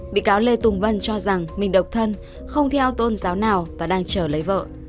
bị cáo lê tùng vân cho rằng mình độc thân không theo tôn giáo nào và đang chờ lấy vợ